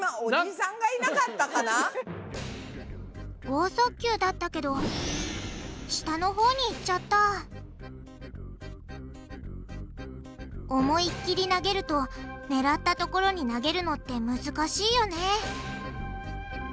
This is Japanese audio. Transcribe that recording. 豪速球だったけど下のほうに行っちゃった思いっきり投げると狙ったところに投げるのって難しいよね